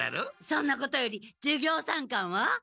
そんなことより授業参観は？